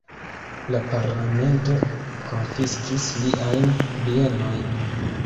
La Parlamento konfiskis liajn bienojn.